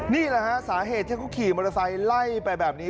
นี่แหละฮะสาเหตุที่เขาขี่มอเตอร์ไซค์ไล่ไปแบบนี้